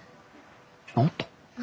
治った。